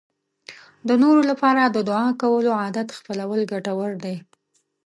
د نورو لپاره د دعا کولو عادت خپلول ګټور دی.